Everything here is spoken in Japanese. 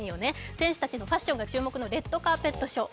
選手たちのファッションが注目のレッドカーペットショー。